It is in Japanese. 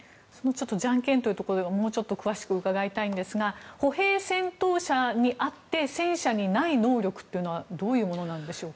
じゃんけんというところでもう少し詳しく伺いたいんですが歩兵戦闘車にあって戦車にない能力というのはどういうものなんでしょうか。